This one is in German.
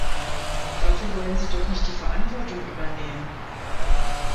Dafür wollen Sie doch nicht die Verantwortung übernehmen?